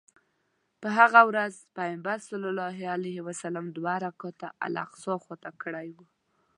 په هغه ورځ پیغمبر صلی الله علیه وسلم دوه رکعته الاقصی خواته کړی و.